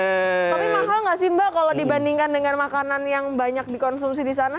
tapi mahal gak sih mbak kalau dibandingkan dengan makanan yang banyak dikonsumsi disana